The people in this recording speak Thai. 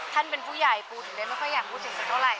ท่านเป็นผู้ใหญ่ปูถึงได้ไม่ค่อยอยากพูดถึงสักเท่าไห